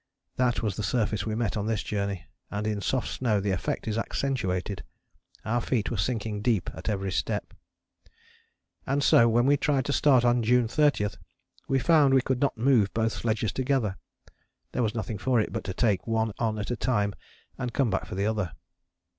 That was the surface we met on this journey, and in soft snow the effect is accentuated. Our feet were sinking deep at every step. And so when we tried to start on June 30 we found we could not move both sledges together. There was nothing for it but to take one on at a time and come back for the other.